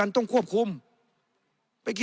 ในทางปฏิบัติมันไม่ได้